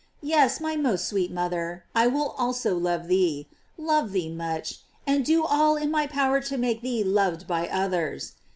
Yes, my most sweet mother, I also will love thee, love thee much, and do all in my power to make thee loved by others.